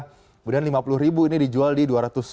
kemudian lima puluh ribu ini dijual di dua ratus